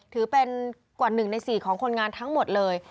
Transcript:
ถือเป็นกว่า๑ใน๔ของคนงานทั้งหมดเลย